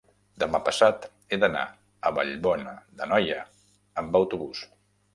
demà passat he d'anar a Vallbona d'Anoia amb autobús.